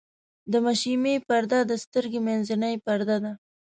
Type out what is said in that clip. د مشیمیې پرده د سترګې منځنۍ پرده ده.